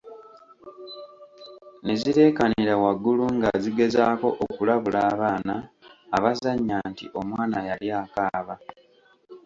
Ne zireekanira waggulu nga zigezaako okulabula abaana abazannya nti omwana yali akaaba.